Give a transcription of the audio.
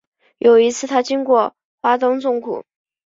有一次他经过花东纵谷